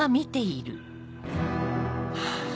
ハァ。